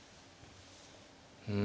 うん。